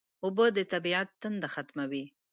اوبه د طبیعت تنده ختموي